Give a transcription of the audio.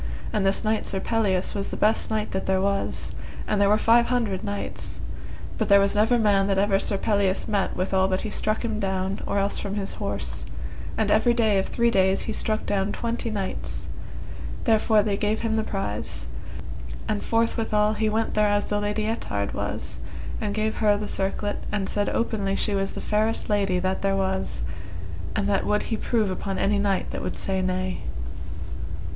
And this knight Sir Pelleas was the best knight that was there, and there were five hundred knights, but there was never man that ever Sir Pelleas met withal but he struck him down, or else from his horse; and every day of three days he struck down twenty knights, therefore they gave him the prize, and forthwithal he went thereas the Lady Ettard was, and gave her the circlet, and said openly she was the fairest lady that there was, and that would he prove upon any knight that would say nay.